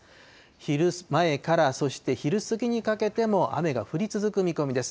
昼前から、そして昼過ぎにかけても雨が降り続く見込みです。